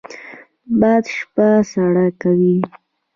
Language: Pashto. باد شپه سړه کوي